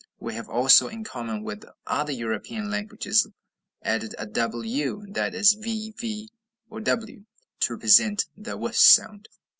We have also, in common with other European languages, added a double U, that is, VV, or W, to represent the w sound.